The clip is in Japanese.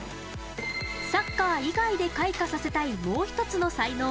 サッカー以外で開花させたいもう一つの才能